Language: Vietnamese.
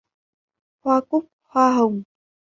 Hoa cúc hoa hồng